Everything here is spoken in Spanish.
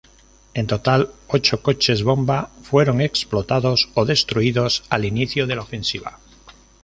En total, ocho coches bombas fueron explotados o destruidos al inicio de la ofensiva.